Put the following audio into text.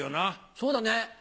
そうだね。